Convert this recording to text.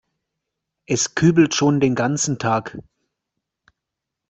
Es kübelt schon den ganzen Tag.